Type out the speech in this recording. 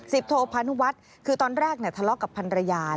สิบโทพันวัดคือตอนแรกทะเลาะกับพันรยา